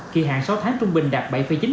kỳ hạn sáu tháng trung bình đạt bảy chín mươi hai